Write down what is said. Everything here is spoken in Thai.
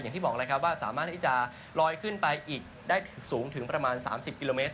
อย่างที่บอกแล้วครับว่าสามารถที่จะลอยขึ้นไปอีกได้สูงถึงประมาณ๓๐กิโลเมตร